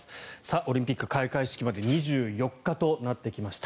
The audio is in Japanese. オリンピック開会式まで２４日となってきました。